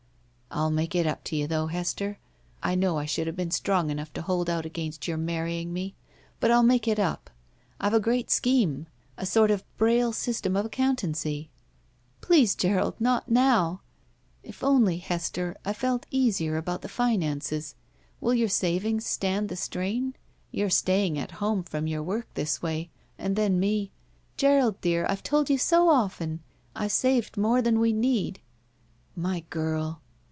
*'I'll make it up to you, though, Hester. I know I should have been strong enough to hold out against your marrying me, but I'll make it up. I've a great scheme; a sort of braille system of accountancy —"'* Please, Gerald — ^not now !'' ''If only, Hester, I felt easier about the finances. Will your savings stand the strain? Your staying at home from your work this way — and then me —" ''Gerald dear, I've told you so often — I've saved more than we need." My girl!"